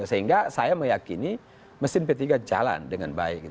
sehingga saya meyakini mesin p tiga jalan dengan baik